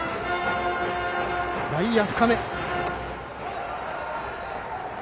外野深め。